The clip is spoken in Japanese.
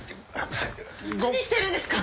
何してるんですか？